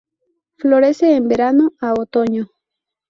Florece en verano a otoño.